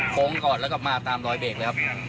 โค้งก่อนแล้วก็มาตามรอยเบรกเลยครับ